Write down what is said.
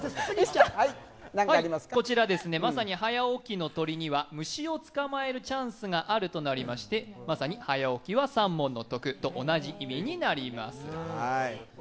まさに早起きの鳥には虫を捕まえるチャンスがあるとなりましてまさに早起きは三文の得と同じ意味になります。